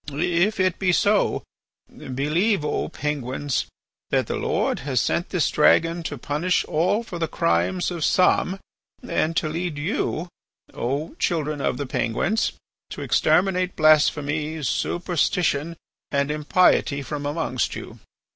If it be so, believe, O Penguins, that the Lord has sent this dragon to punish all for the crimes of some, and to lead you, O children of the Penguins, to exterminate blasphemy, superstition, and impiety from amongst you.